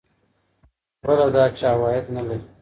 بله دا چي عوائد نلري